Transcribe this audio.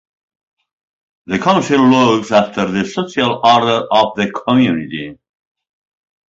The council looks after the social order of the community.